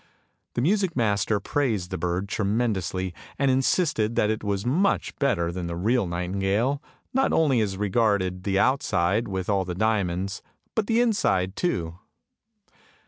The music master praised the bird tremendously, and insisted that it was much better than the real nightingale, not only as regarded the outside with all the diamonds, but the inside too.